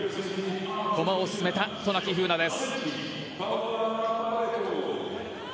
駒を進めた渡名喜風南です。